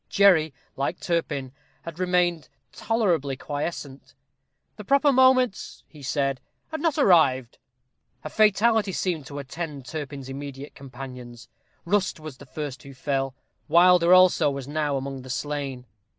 Jerry, like Turpin, had remained tolerably quiescent. "The proper moment," he said, "had not arrived." A fatality seemed to attend Turpin's immediate companions. Rust was the first who fell; Wilder also was now among the slain.